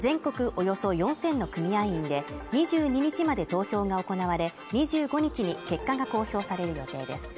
およそ４０００の組合員で２２日まで投票が行われ、２５日に結果が公表される予定です。